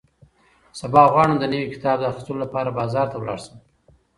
سبا غواړم د نوي کتاب د اخیستلو لپاره بازار ته لاړ شم.